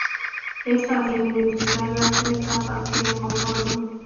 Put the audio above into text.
Es fácil identificar las tres capas que la conforman.